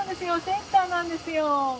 センターなんですよ。